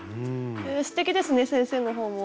すてきですね先生の方も。